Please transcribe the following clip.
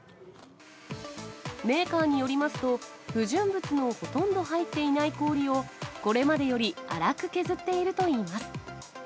メーカーによりますと、不純物のほとんど入っていない氷を、これまでより粗く削っているといいます。